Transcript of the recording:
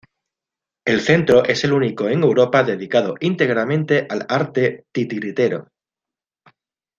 El Centro es el único en Europa dedicado íntegramente al arte titiritero.